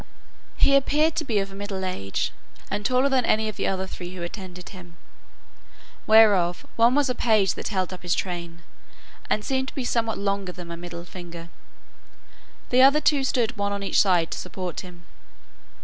He appeared to be of a middle age, and taller than any of the other three who attended him, whereof one was a page that held up his train, and seemed to be somewhat longer than my middle finger; the other two stood one on each side to support him.